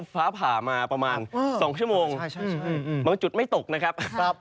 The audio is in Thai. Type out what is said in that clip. ฟ้าผ่ามาประมาณ๒ชั่วโมงบางจุดไม่ตกนะครับ